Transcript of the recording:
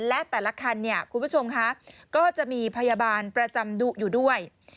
และแต่ละคันเนี่ยคุณผู้ชมค่ะก็จะมีพยาบาลประจำดุอยู่ด้วย